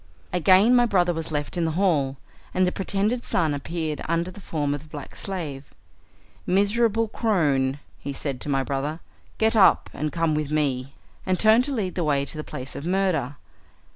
Again my brother was left in the hall, and the pretended son appeared under the form of the black slave. "Miserable crone," he said to my brother, "get up and come with me," and turned to lead the way to the place of murder.